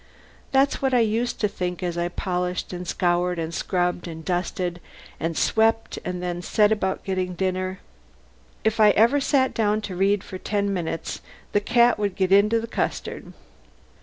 That's what I used to think as I polished and scoured and scrubbed and dusted and swept and then set about getting dinner. If I ever sat down to read for ten minutes the cat would get into the custard.